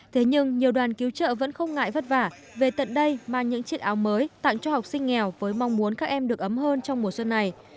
thế nhưng nhiều đoàn cứu trợ vẫn không ngại vất vả về tận đây mang những chiếc áo mới tặng cho học sinh nghèo với mong muốn các em được ấm hơn trong mùa xuân này